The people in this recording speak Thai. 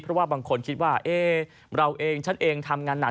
เพราะว่าบางคนคิดว่าเราเองฉันเองทำงานหนัก